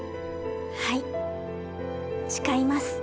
はい誓います。